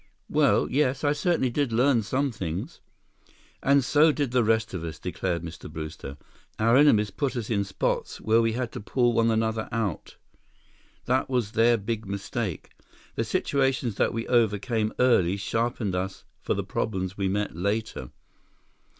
"Well, yes. I certainly did learn some things." "And so did the rest of us," declared Mr. Brewster. "Our enemies put us in spots where we had to pull one another out. That was their big mistake. The situations that we overcame early sharpened us for the problems we met later.